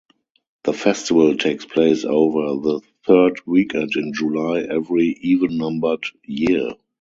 The festival takes place over the third weekend in July every even-numbered year.